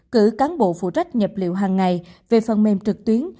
cử cán bộ phụ trách nhập liệu hàng ngày về phần mềm trực tuyến